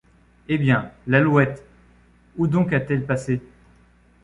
eh bien, l’Alouette où donc a-t-elle passé